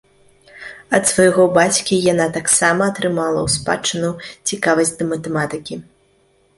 Ад свайго бацькі яна таксама атрымала ў спадчыну цікавасць да матэматыкі.